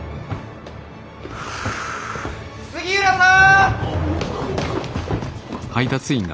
・杉浦さん！